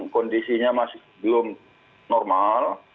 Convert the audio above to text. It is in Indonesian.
kondisinya masih belum normal